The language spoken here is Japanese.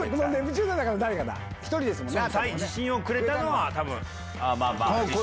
１人ですもんね。